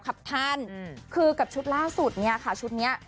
คือกับชุดล่าสุดชุดเนี่ย